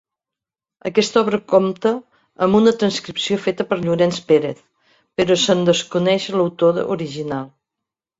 Aquesta obra compta amb una transcripció feta per Llorenç Pérez però se'n desconeix l'autor original.